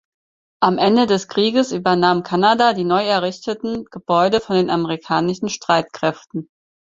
Am Ende des Krieges übernahm Kanada die neu errichteten Gebäude von den amerikanischen Streitkräften.